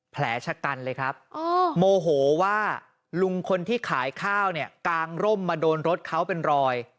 แผลชะกันเลยครับโมโหว่าลุงคนที่ขายข้าวเนี่ยกางร่มมาโดนรถเขาเป็นรอย